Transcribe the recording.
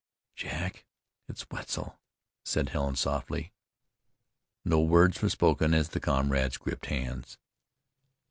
"Jack, it's Wetzel!" said Helen softly. No words were spoken as the comrades gripped hands.